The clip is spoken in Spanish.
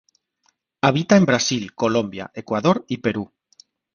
Habita en Brasil, Colombia, Ecuador y Perú.